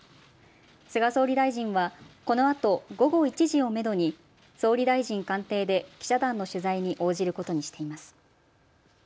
菅総理大臣は、このあと午後１時をめどに総理大臣官邸で記者団の取材に応じることにしています。